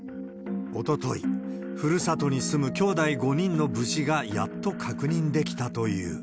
おととい、ふるさとに住むきょうだい５人の無事がやっと確認できたという。